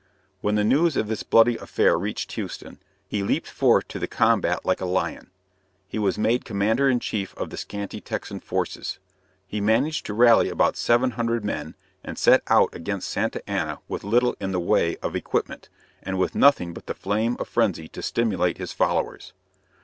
When the news of this bloody affair reached Houston he leaped forth to the combat like a lion. He was made commander in chief of the scanty Texan forces. He managed to rally about seven hundred men, and set out against Santa Anna with little in the way of equipment, and with nothing but the flame of frenzy to stimulate his followers.